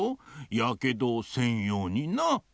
やけどをせんようにな！